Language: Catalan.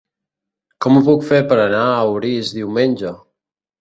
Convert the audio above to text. Com ho puc fer per anar a Orís diumenge?